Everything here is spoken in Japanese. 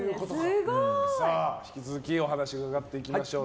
引き続きお話伺っていきましょう。